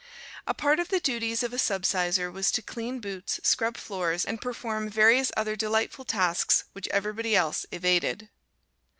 A part of the duties of a subsizar was to clean boots, scrub floors and perform various other delightful tasks which everybody else evaded.